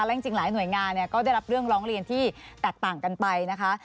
และจริงหลายหน่วยงานก็ได้รับเรื่องร้องเรียนที่แตกต่างกันไปนะคะ